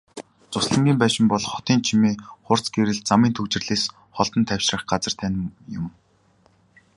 Зуслангийн байшин бол хотын чимээ, хурц гэрэл, замын түгжрэлээс холдон тайвшрах газар тань юм.